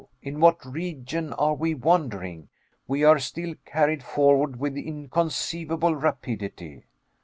In what region are we wandering? We are still carried forward with inconceivable rapidity.